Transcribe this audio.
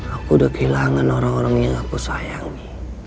aku udah kehilangan orang orang yang aku sayang